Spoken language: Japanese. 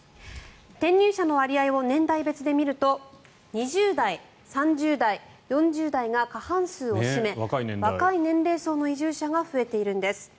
転入者の割合を年代別で見ると２０代、３０代、４０代が過半数を占め若い年齢層の移住者が増えているんです。